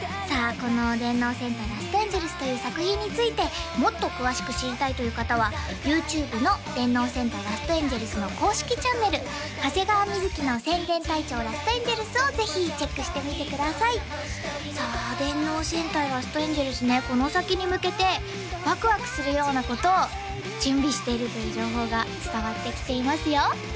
この「電脳戦隊ラストエンジェルス」という作品についてもっと詳しく知りたいという方はＹｏｕＴｕｂｅの「電脳戦隊ラストエンジェルス」の公式チャンネル長谷川瑞の「宣伝隊長ラストエンジェルス」をぜひチェックしてみてくださいさあ「電脳戦隊ラストエンジェルス」ねこの先に向けてワクワクするようなことを準備しているという情報が伝わってきていますよ